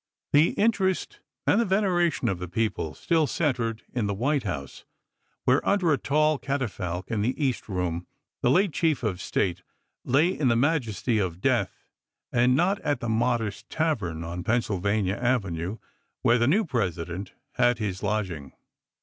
The interest and the veneration of the people still centered in the White House, where, under a tall catafalque in the east room, the late chief of the state lay in the majesty of death, and not at the THE MOURNING PAGEANT 31? modest tavern on Pennsylvania Avenue, where chap.xvl the new President had his lodging.